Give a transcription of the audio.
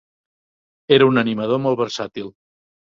Era un animador molt versàtil